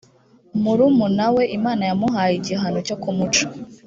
murumuna we imana yamuhaye igihano cyo kumuca